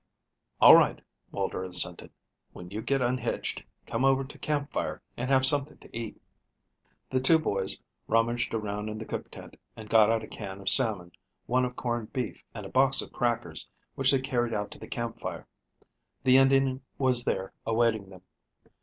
"All right," Walter assented. "When you get unhitched, come over to camp fire and have something to eat." The two boys rummaged around in the cook tent and got out a can of salmon, one of corned beef, and a box of crackers, which they carried out to the camp fire. The Indian was there awaiting them.